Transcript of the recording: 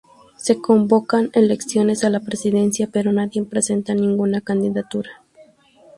Se convocan elecciones a la presidencia, pero nadie presenta ninguna candidatura.